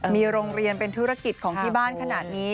มีโรงเรียนเป็นธุรกิจของที่บ้านขนาดนี้